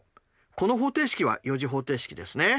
この方程式は４次方程式ですね。